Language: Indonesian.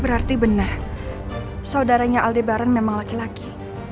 berarti benar saudaranya aldebaran memang laki laki